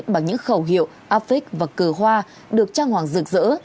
bằng những khẩu hiệu affix và cờ hoa được trang hoàng rực rỡ